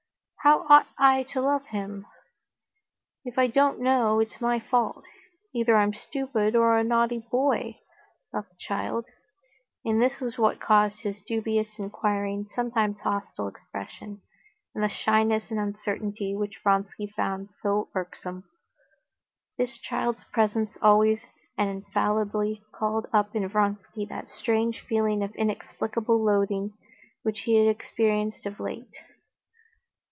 How ought I to love him? If I don't know, it's my fault; either I'm stupid or a naughty boy," thought the child. And this was what caused his dubious, inquiring, sometimes hostile, expression, and the shyness and uncertainty which Vronsky found so irksome. This child's presence always and infallibly called up in Vronsky that strange feeling of inexplicable loathing which he had experienced of late.